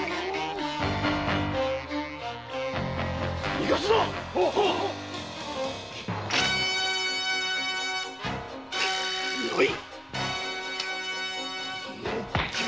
逃がすなっ！無い！